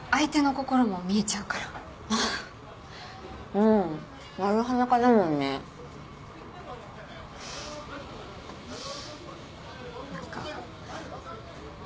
うん丸裸だもんね。何か。